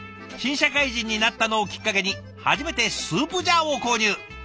「新社会人になったのをきっかけに初めてスープジャーを購入。